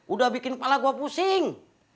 udah bikin kepala gua pusing